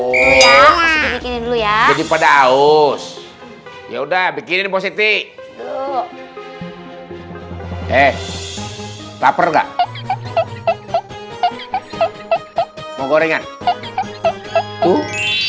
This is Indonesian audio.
oh ya jadi pada aus ya udah bikin posisi eh kaper gak mau gorengan tuh